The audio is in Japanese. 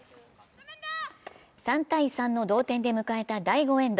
３−３の同点で迎えた第５エンド。